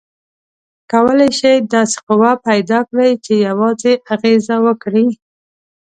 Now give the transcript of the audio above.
کولی شئ داسې قوه پیداکړئ چې یوازې اغیزه وکړي؟